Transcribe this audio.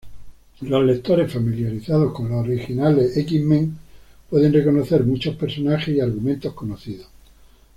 Los lectores familiarizados con los originales X-Men pueden reconocer muchos personajes y argumentos conocidos.